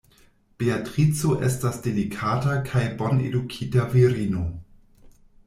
Beatrico estas delikata kaj bonedukita virino.